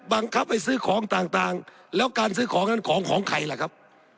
บังคับให้ซื้อของต่างแล้วการซื้อของนั้นของของใครล่ะครับ